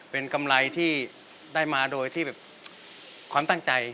เป็นกำไรที่ได้มาโดยที่แบบความตั้งใจ